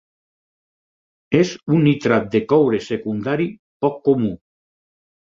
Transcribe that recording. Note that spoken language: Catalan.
És un nitrat de coure secundari poc comú.